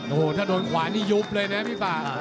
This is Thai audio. โอ้โหถ้าโดนขวานี่ยุบเลยนะพี่ป่า